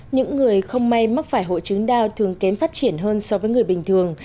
những người không may mắc phải hộ chứng đau thường kém phát triển hơn so với người bình thường